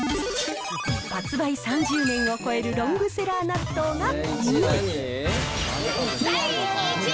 発売３０年を超えるロングセラー納豆が２位。